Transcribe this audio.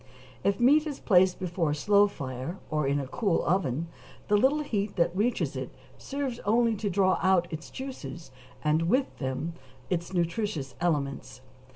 If meat is placed before a slow fire, or in a cool oven, the little heat that reaches it serves only to draw out its juices, and with them its nutritious elements.